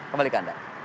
kembali ke anda